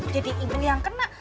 jadi ibu yang kena